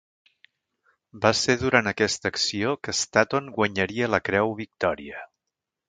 Va ser durant aquesta acció que Statton guanyaria la Creu Victòria.